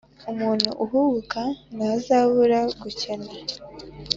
umuntu uhubuka ntazabura gukena